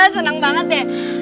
seneng banget ya